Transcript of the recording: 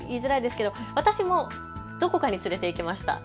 私もどこかに連れて行きました。